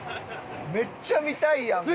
めっちゃ見たいやん別所さん。